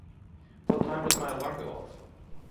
What time does my alarm go off?